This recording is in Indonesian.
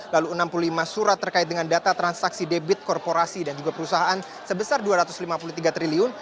lalu enam puluh lima surat terkait dengan data transaksi debit korporasi dan juga perusahaan sebesar rp dua ratus lima puluh tiga triliun